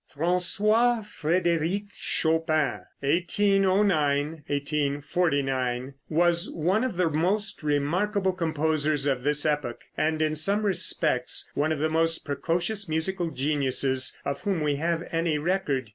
François Frédéric Chopin (1809 1849) was one of the most remarkable composers of this epoch, and in some respects one of the most precocious musical geniuses of whom we have any record.